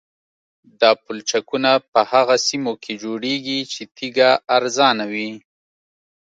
دا پلچکونه په هغه سیمو کې جوړیږي چې تیږه ارزانه وي